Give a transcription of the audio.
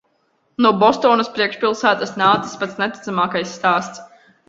No Bostonas priekšpilsētas nācis pats neticamākais stāsts.